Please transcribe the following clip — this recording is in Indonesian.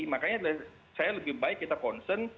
makanya saya lebih baik kita concern